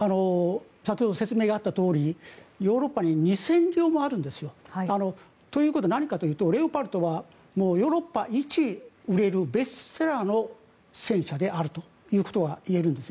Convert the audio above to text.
先ほど説明があったとおりヨーロッパに２０００両もあるんですよ。ということは何かというとレオパルトはヨーロッパ一売れるベストセラーの戦車であるということが言えるんです。